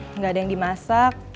enggak ada yang dimasak